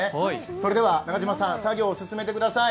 それでは中島さん、作業を進めてください。